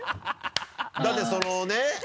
だってそのね